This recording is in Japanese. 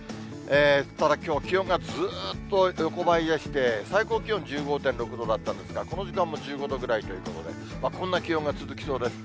ただ、きょう、気温がずっと横ばいでして、最高気温１５．６度だったんですが、この時間も１５度ぐらいということで、こんな気温が続きそうです。